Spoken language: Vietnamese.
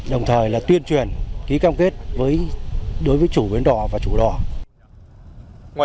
đồng thời là tuyên truyền ký cam kết đối với chủ bến đỏ và chủ đỏ